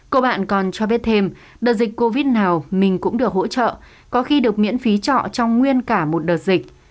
cô bạn còn cho biết thêm đợt dịch covid nào mình cũng được hỗ trợ có khi được miễn phí trọ trong nguyên cả một đợt dịch